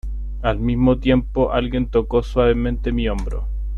al mismo tiempo alguien tocó suavemente mi hombro.